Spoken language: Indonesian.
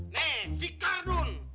nih sikar dun